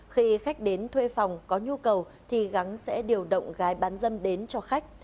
khi khách đến thuê phòng có nhu cầu thì gắng sẽ điều động gái bán dâm đến cho khách